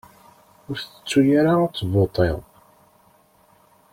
Ur tettu ara ad tvuṭiḍ!